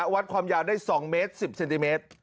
วัดความยาวได้๒เมตร๑๐เซนติเมตร